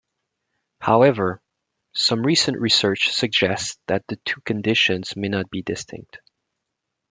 However, some recent research suggests that the two conditions may not be distinct.